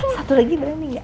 satu lagi berani gak